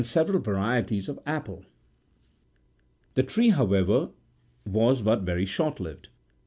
485 several varieties of the apple ; the tree, however, was but very short lived.